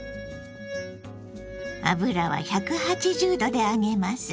油は１８０℃で揚げます。